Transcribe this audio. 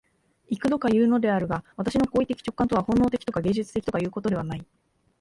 幾度かいうのであるが、私の行為的直観とは本能的とか芸術的とかいうことではない。